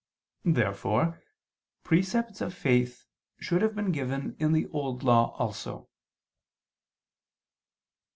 Therefore precepts of faith should have been given in the Old Law also.